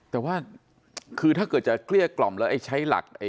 แต่ว่าคือถ้าเกิดจะเกลี้ยกล่อมแล้วไอ้ใช้หลัก